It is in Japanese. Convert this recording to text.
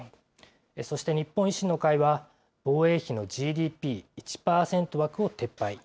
そして日本維新の会は、防衛費のＧＤＰ１％枠を撤廃。